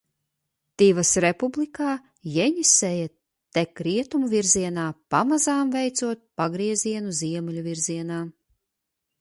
Tivas Republikā Jeņiseja tek rietumu virzienā, pamazām veicot pagriezienu ziemeļu virzienā.